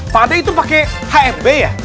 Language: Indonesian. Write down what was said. pak d itu pake hmb ya